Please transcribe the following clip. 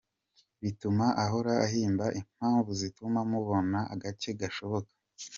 Bituma ahora ahimba impamvu zituma mubonana gake gashoboka.